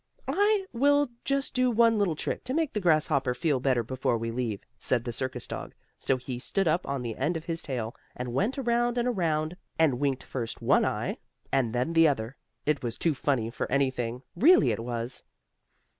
"I will just do one little trick, to make the grasshopper feel better before we leave," said the circus dog, so he stood up on the end of his tail, and went around and around, and winked first one eye and then the other, it was too funny for anything, really it was.